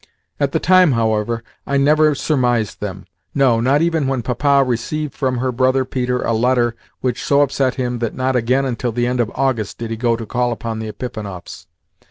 At the time, however, I never surmised them no, not even when Papa received from her brother Peter a letter which so upset him that not again until the end of August did he go to call upon the Epifanovs'.